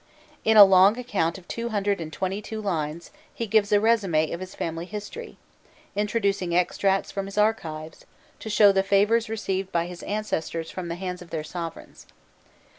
In a long account of two hundred and twenty two lines, he gives a résumé of his family history, introducing extracts from his archives, to show the favours received by his ancestors from the hands of their sovereigns.